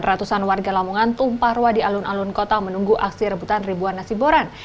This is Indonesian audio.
ratusan warga lamongan tumpah ruah di alun alun kota menunggu aksi rebutan ribuan nasi boran